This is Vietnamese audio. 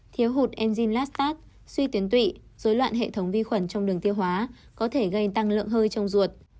thiếu hụt enzymlasstad suy tuyến tụy dối loạn hệ thống vi khuẩn trong đường tiêu hóa có thể gây tăng lượng hơi trong ruột